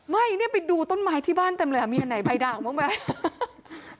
ไม่เนี่ยไปดูต้นไม้ที่บ้านเต็มเลยมีอันไหนใบด่างบ้างไหม